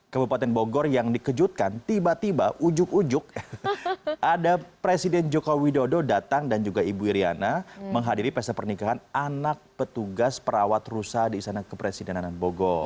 kebupaten bogor yang dikejutkan tiba tiba ujuk ujuk ada presiden joko widodo datang dan juga ibu iryana menghadiri pesta pernikahan anak petugas perawat rusak di sana ke presiden anand bogor